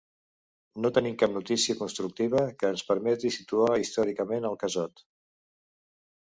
No tenim cap notícia constructiva que ens permeti situar històricament el Casot.